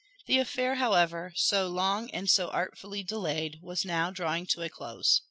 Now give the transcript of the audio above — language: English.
The affair, however, so long and so artfully delayed, was now drawing to a close.